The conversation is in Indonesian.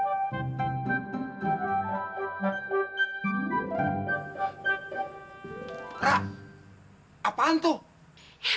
ora apaan tuh